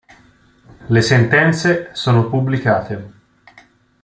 Le sentenze sono pubblicate.